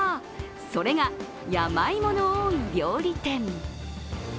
それが、山芋の多い料理店。